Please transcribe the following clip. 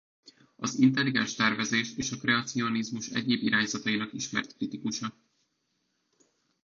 Az intelligens tervezés és a kreacionizmus egyéb irányzatainak ismert kritikusa.